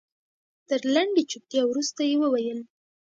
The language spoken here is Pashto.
تر لنډې چوپتيا وروسته يې وويل.